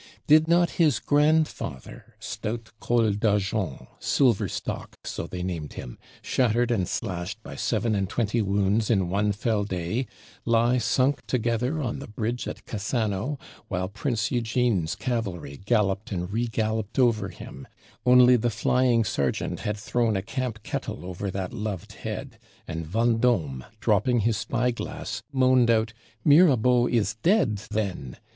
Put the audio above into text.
Did not his Grandfather, stout Col d'Argent (Silver Stock, so they named him), shattered and slashed by seven and twenty wounds in one fell day, lie sunk together on the Bridge at Casano, while Prince Eugene's cavalry galloped and regalloped over him only the flying sergeant had thrown a camp kettle over that loved head; and Vendôme, dropping his spy glass, moaned out, "Mirabeau is dead, then!"